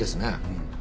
うん。